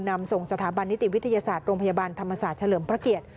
นำส่งสถาบันนิติวิทยาศาสตร์โรงพยาบาลธรรมศาสตร์เฉลิมพระเกียรติ